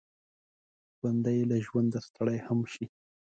ژوندي له ژونده ستړي هم شي